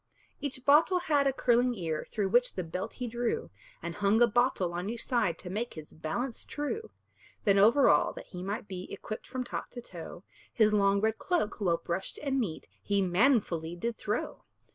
Each bottle had a curling ear, Through which the belt he drew, And hung a bottle on each side, To make his balance true. Then over all, that he might be Equipped from top to toe, His long red cloak, well brushed and neat, He manfully did throw.